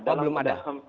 oh belum ada